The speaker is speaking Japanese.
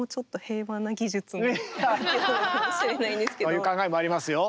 そういう考えもありますよ